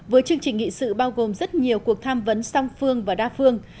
với chương trình nghị sự bao gồm rất nhiều cuộc tham vấn song phương và đa phương